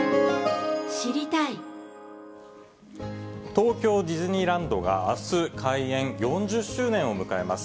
東京ディズニーランドがあす、開園４０周年を迎えます。